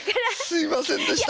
すいませんでした。